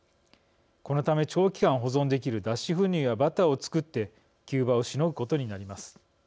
このため長期間保存できる脱脂粉乳やバターを作って急場をしのぐことになります。